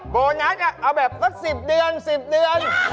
โบนัสเอาแบบสัก๑๐เดือน๑๐เดือน